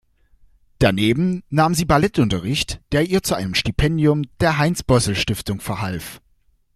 Daneben nahm sie Ballettunterricht, der ihr zu einem Stipendium der Heinz-Bosl-Stiftung verhalf.